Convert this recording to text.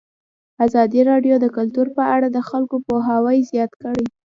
ازادي راډیو د کلتور په اړه د خلکو پوهاوی زیات کړی.